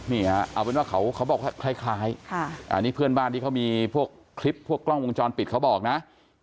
นี่ฮะเอาเป็นว่าเขาบอกคล้ายอันนี้เพื่อนบ้านที่เขามีพวกคลิปพวกกล้องวงจรปิดเขาบอกนะ